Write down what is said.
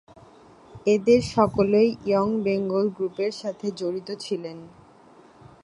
এঁদের সকলেই young Bengal গ্রুপের সাথে জড়িত ছিলেন।